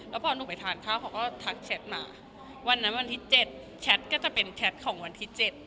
แล้วพอหนูไปทานข้าวเขาก็ทักแชทมาวันนั้นวันที่เจ็ดแชทก็จะเป็นแชทของวันที่เจ็ด